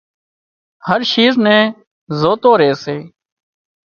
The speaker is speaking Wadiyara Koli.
هر شيز نين زوتو ري سي